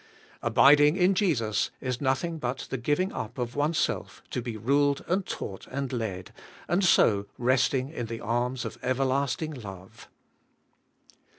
Abiding in Jesus is nothing but the giving up of oneself to be ruled and taught and led, and so resting in the arms of Everlasting Love.